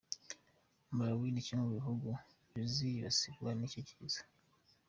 Malawi ni kimwe mu bihugu bizibasirwa n’icyo kiza.